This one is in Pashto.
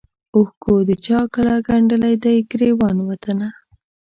اوښکو د چا کله ګنډلی دی ګرېوان وطنه